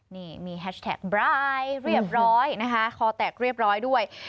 นี่มีแฮชแท็กบรายเรียบร้อยนะคะคอแตกเรียบร้อยด้วย